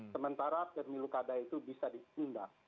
sementara milikada itu bisa disindah